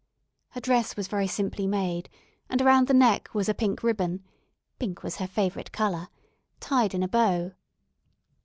Her dress was very simply made, and around the neck was a pink ribbon pink was her favourite colour tied in a bow.